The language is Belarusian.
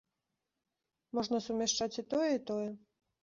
Можна сумяшчаць і тое, і тое.